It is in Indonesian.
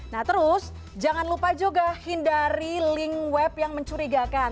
nah terus jangan lupa juga hindari link web yang mencurigakan